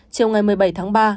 chiều ngày một mươi bảy tháng ba